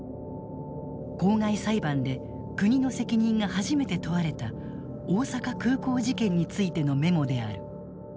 公害裁判で国の責任が初めて問われた大阪空港事件についてのメモである。